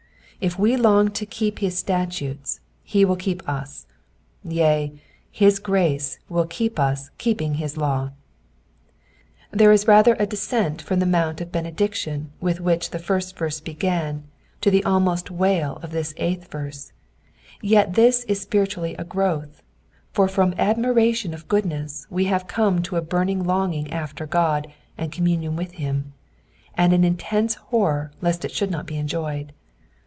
If we long to keep his statutes he will keep us ; yea, his grace will keep us keeping his law. There is rather a descent from the mount of benediction with which the first verse began to the almost wail of this eighth verse, yet this is spiritually a growth, for from admiration of goodness we have come to a burning longing after God and communion with him, and an intense horror lest it should not be enjoyed.